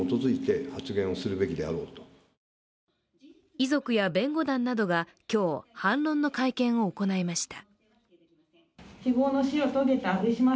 遺族や弁護団などが今日反論の会見を行いました。